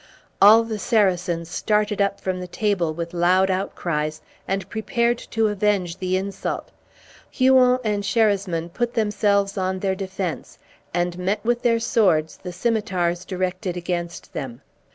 All the Saracens started up from table, with loud outcries, and prepared to avenge the insult. Huon and Sherasmin put themselves on their defence, and met with their swords the scimitars directed against them.